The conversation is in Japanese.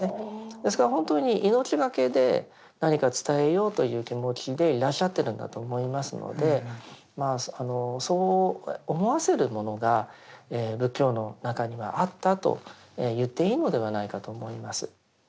ですから本当に命懸けで何か伝えようという気持ちでいらっしゃってるんだと思いますのでそう思わせるものが仏教の中にはあったと言っていいのではないかと思います。